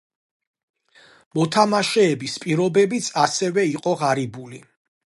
მოთამაშეების პირობებიც ასევე იყო ღარიბული.